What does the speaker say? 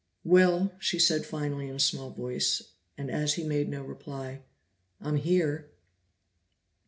"Well?" she said finally in a small voice, and as he made no reply, "I'm here."